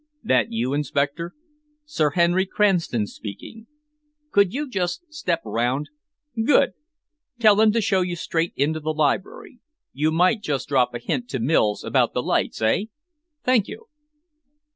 That you, Inspector? Sir Henry Cranston speaking. Could you just step round? Good! Tell them to show you straight into the library. You might just drop a hint to Mills about the lights, eh? Thank you."